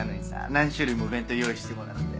何種類も弁当用意してもらって。